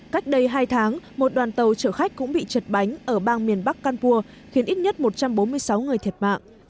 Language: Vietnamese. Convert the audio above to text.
cách đây hai tháng một đoàn tàu chở khách cũng bị chật bánh ở bang miền bắc canpur khiến ít nhất một trăm bốn mươi sáu người thiệt mạng